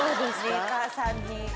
メーカーさんに。